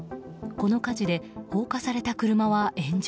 この火事で放火された車は炎上。